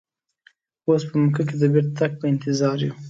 اوس په مکه کې د بیرته تګ په انتظار یو.